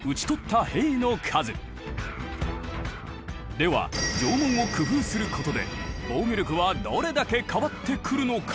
では城門を工夫することで防御力はどれだけ変わってくるのか？